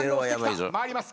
参ります。